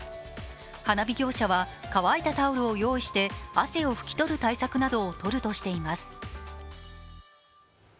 花火業者は乾いたタオルを用意して汗を拭き取る対策などを取るとしています。